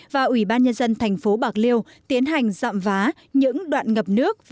khiến cho nhân dân vô cùng bức xúc